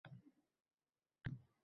Deydi: